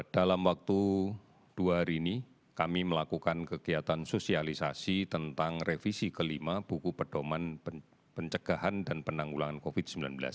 dalam waktu dua hari ini kami melakukan kegiatan sosialisasi tentang revisi kelima buku pedoman pencegahan dan penanggulangan covid sembilan belas